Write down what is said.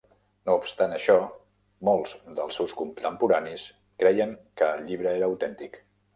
No obstant això, molts dels seus contemporanis creien que el llibre era autèntic.